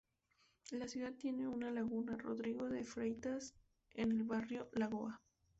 La ciudad tiene una laguna, Rodrigo de Freitas, en el barrio Lagoa.